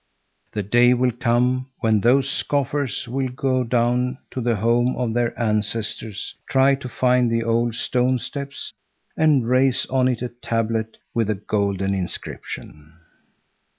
The day will come when those scoffers will go down to the home of their ancestors, try to find the old stone steps, and raise on it a tablet with a golden inscription.